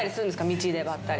道でばったり。